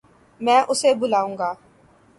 میں اسے بلاوں گا